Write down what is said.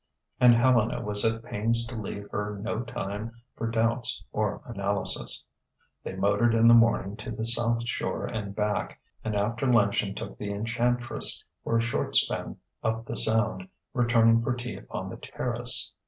And Helena was at pains to leave her no time for doubts or analysis. They motored in the morning to the South Shore and back, and after luncheon took the Enchantress for a short spin up the Sound, returning for tea upon the terrace....